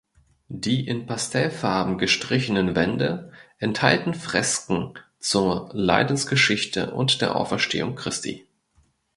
Die in Pastellfarben gestrichenen Wände enthalten Fresken zur Leidensgeschichte und der Auferstehung Christi.